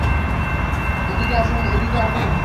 এসিকে আসুন, এসিকে আসুন।